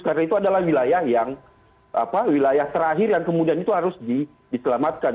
karena itu adalah wilayah yang apa wilayah terakhir yang kemudian itu harus diselamatkan